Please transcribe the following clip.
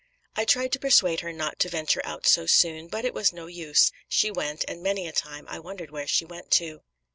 I tried to persuade her not to venture out so soon; but it was no use she went; and many a time I wondered where she went to.